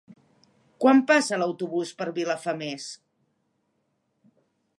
Quan passa l'autobús per Vilafamés?